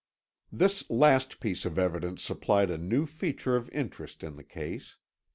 This last piece of evidence supplied a new feature of interest in the case.